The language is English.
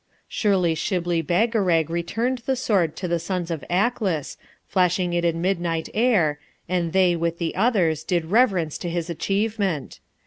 Surely Shibli Bagarag returned the Sword to the Sons of Aklis, flashing it in midnight air, and they, with the others, did reverence to his achievement.